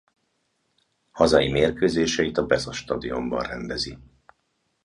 Hazai mérkőzéseit a Besa Stadionban rendezi.